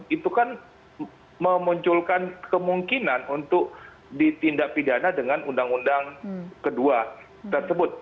itu kan memunculkan kemungkinan untuk ditindak pidana dengan undang undang kedua tersebut